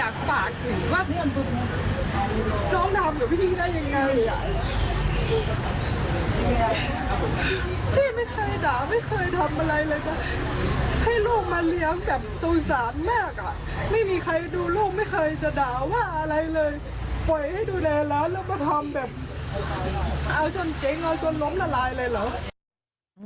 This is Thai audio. ก็ทำแบบเอาจนเจ๊งเอาจนล้มละลายเลยหรอ